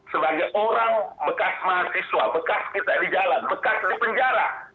sebagai orang bekas mahasiswa bekas kita di jalan bekas di penjara